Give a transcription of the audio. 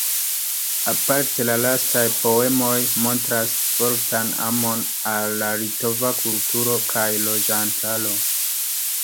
Aparte la lastaj poemoj montras fortan amon al la litova kulturo kaj loĝantaro.